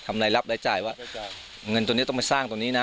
รายรับรายจ่ายว่าเงินตัวนี้ต้องไปสร้างตรงนี้นะ